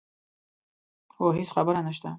هو هېڅ خبره نه شته.